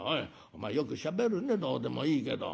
お前よくしゃべるねどうでもいいけど。